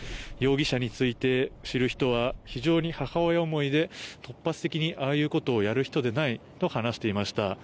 容疑者について知る人は非常に母親思いで突発的にああいうことをやる人ではないと話していました。